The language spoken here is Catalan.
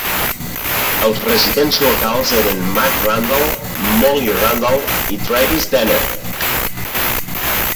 Els residents locals eren Mark Randall, Molly Randall i Travis Dennett.